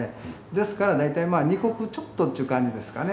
ですから大体まあ２石ちょっとっちゅう感じですかね。